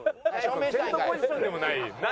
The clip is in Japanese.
セットポジションでもない何？